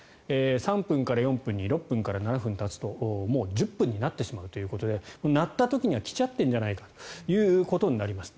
３分から４分に６分から７分足すともう１０分になってしまうということで鳴った時には来ちゃってるんじゃないかということになります。